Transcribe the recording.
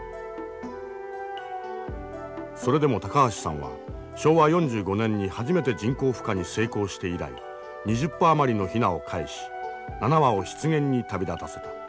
それでも高橋さんは昭和４５年に初めて人工孵化に成功して以来２０羽余りのヒナをかえし７羽を湿原に旅立たせた。